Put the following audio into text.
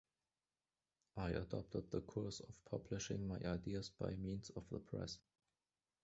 I adopted the course of publishing my ideas by means of the press.